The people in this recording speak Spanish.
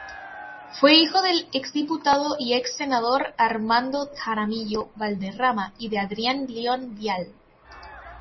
Fue hijo del exdiputado y exsenador, Armando Jaramillo Valderrama, y de Adriana Lyon Vial.